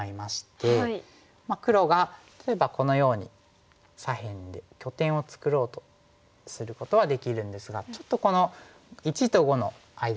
黒が例えばこのように左辺で拠点を作ろうとすることはできるんですがちょっとこの①と⑤の間が狭いんですよね。